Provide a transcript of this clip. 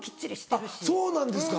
あっそうなんですか？